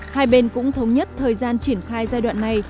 hai bên cũng thống nhất thời gian triển khai giai đoạn này